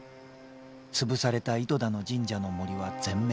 潰された糸田の神社の森は全滅。